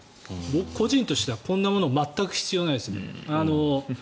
僕個人としてはこんなもの全く必要ないです。